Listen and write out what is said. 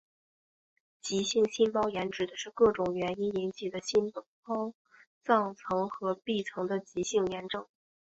急性心包炎指的是各种原因引起的心包脏层和壁层的急性炎症。